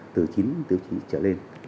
từ chín tiêu chí trở lên